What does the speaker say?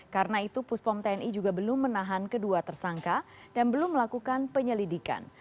karena itu puspom tni juga belum menahan kedua tersangka dan belum melakukan penyelidikan